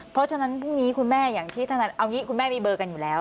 เพราะฉะนั้นพรุ่งนี้คุณแม่เอางี้คุณแม่มีเบอร์กันอยู่แล้ว